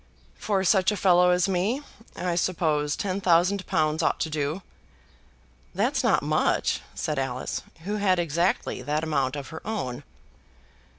"For such a fellow as me, I suppose ten thousand pounds ought to do." "That's not much," said Alice, who had exactly that amount of her own.